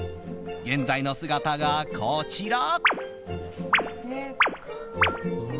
現在の姿が、こちら。